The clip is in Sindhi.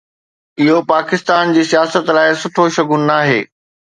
اهو پاڪستان جي سياست لاءِ سٺو شگون ناهي.